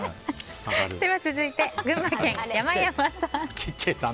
続いて、群馬県の方。